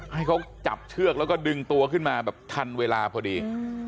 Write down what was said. ให้เขาจับเชือกแล้วก็ดึงตัวขึ้นมาแบบทันเวลาพอดี